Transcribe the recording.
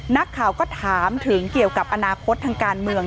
นักข่าวก็ถามถึงเกี่ยวกับอนาคตทางการเมือง